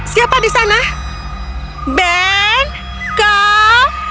siapa di sana ben kau